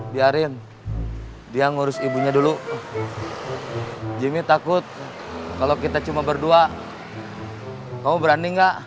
biarin dia ngurus ibunya dulu jimmy takut kalau kita cuma berdua kamu berani enggak